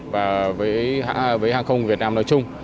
và với hàng không việt nam nói chung